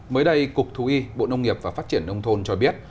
mới đây cục thú y bộ nông nghiệp và phát triển nông thôn cho biết